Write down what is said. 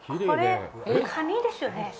これ、カニですね。